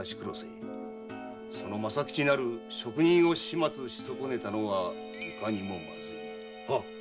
その政吉なる職人を始末しそこねたのはいかにもまずい。